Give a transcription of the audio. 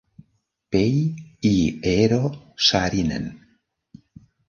Pei i Eero Saarinen.